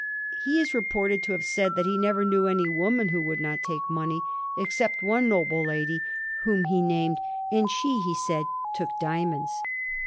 He is reported to have said that he never knew any woman who would not take money, except one noble lady, whom he named, and she, he said, took diamonds.